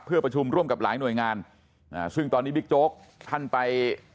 เพื่อประชุมร่วมกับหลายหน่วยงานอ่าซึ่งตอนนี้บิ๊กโจ๊กท่านไป